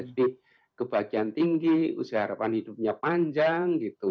jadi kebahagiaan tinggi usia harapan hidupnya panjang